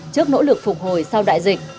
trước nỗ lực phục hồi sau đại dịch